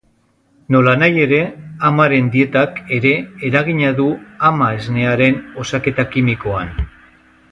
Nolanahi ere, amaren dietak ere eragina du ama-esnearen osaketa kimikoan.